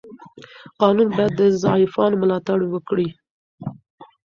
قانون باید د ضعیفانو ملاتړ وکړي.